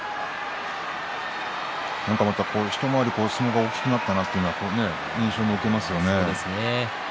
また一回り相撲が大きくなったなという印象がありますね。